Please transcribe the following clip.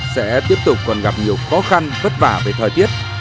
sẽ tiếp tục còn gặp nhiều khó khăn vất vả về thời tiết